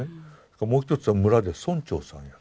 もう一つは村で村長さんやって。